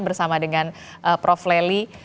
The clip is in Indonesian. bersama dengan prof leli